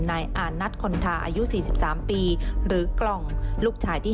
นายอานัทคนทาอายุ๔๓ปีหรือกล่องลูกชายที่